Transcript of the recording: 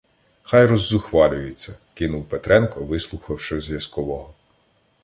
— Хай роззухвалюються, — кинув Петренко, вислухавши зв'язкового.